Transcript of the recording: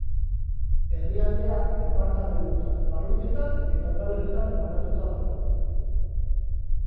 Herrialdea departamendutan, barrutitan eta udalerritan banatuta dago.